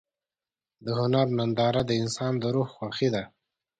د هنر ننداره د انسان د روح خوښي ده.